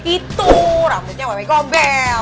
itu rambutnya wewe gombel